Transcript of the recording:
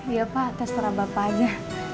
iya pak terserah bapak aja